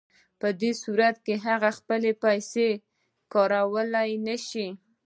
په دې صورت کې هغه خپلې پیسې کارولی نشي